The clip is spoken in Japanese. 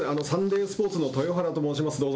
サンデースポーツの豊原と申します。